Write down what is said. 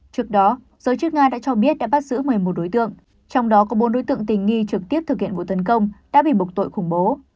trước đó giới chức nga đã cho biết đã bắt giữ một mươi một đối tượng trong đó có bốn đối tượng tình nghi trực tiếp thực hiện vụ tấn công đã bị bục tội khủng bố